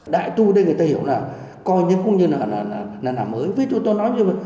đại tu đây người ta hiểu là coi như là nằm